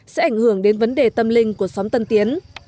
sẽ ảnh hưởng đến vấn đề tâm linh của xóm tân tiến